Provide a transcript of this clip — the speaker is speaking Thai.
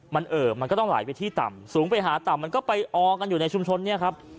มันเอ่อมันก็ต้องไหลไปที่ต่ำสูงไปหาต่ำมันก็ไปออกันอยู่ในชุมชนเนี่ยครับ